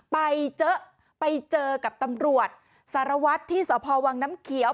ไปเจอไปเจอกับตำรวจสารวัตรที่สพวังน้ำเขียว